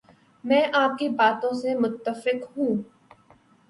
میں آپ کی باتوں سے متفق ہوں